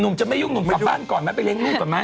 หนุ่มจะไม่ยุ่งหนุ่มฝับบ้านก่อนนะไปเล่งมุกก่อนแม้